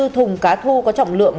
năm mươi bốn thùng cá thu có trọng lượng